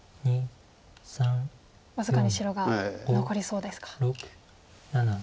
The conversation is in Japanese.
僅かに白が残りそうですか。